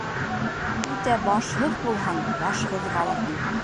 Үтә башһыҙ булһаң, башһыҙ ҡалырһың